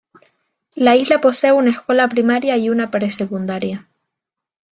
La isla posee una escuela primaria y una pre-secundaria.